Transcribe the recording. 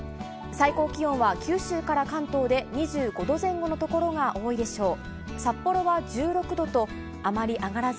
最高気温は九州から関東で２５度前後の所が多いでしょう。